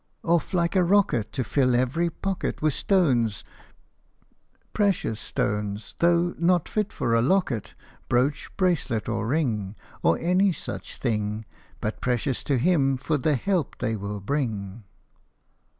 Off like a rocket To fill every pocket With stones precious stones, though not fit for a locket. Brooch, bracelet, or ring, Or any such thing But precious to him for the help they will bring.